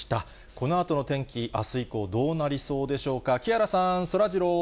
このあとの天気、あす以降、どうなりそうでしょうか。